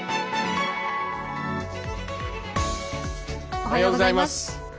おはようございます。